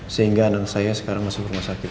sehingga anak saya sekarang masuk rumah sakit